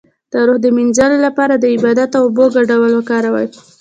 د روح د مینځلو لپاره د عبادت او اوبو ګډول وکاروئ